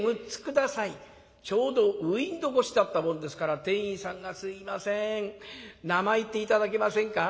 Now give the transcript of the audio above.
ちょうどウインドー越しだったもんですから店員さんが「すいません名前言って頂けませんか？」。